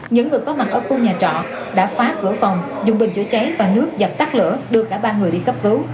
những người có mặt ở khu nhà trọ đã phá cửa phòng dùng bình chữa cháy và nước dập tắt lửa đưa cả ba người đi cấp cứu